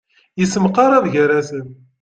Yessemqarab gar-asen.